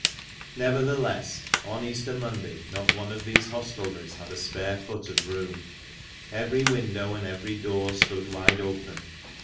Nevertheless, on Easter Monday not one of these hostelries had a spare foot of room. Every window and every door stood wide open.